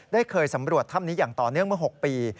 เคยสำรวจถ้ำนี้อย่างต่อเนื่องเมื่อ๖ปี